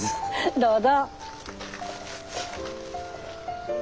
どうぞ。